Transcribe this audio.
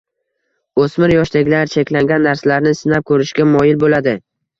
O‘smir yoshdagilar cheklangan narsalarni sinab ko‘rishga moyil bo‘ladi.